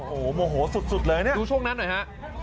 โอ้โหโมโหสุดเลยเนี่ยดูช่วงนั้นหน่อยฮะ